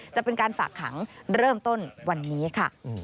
จะเป็นการฝากขังเริ่มต้นวันนี้ค่ะ